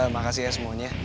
makasih ya semuanya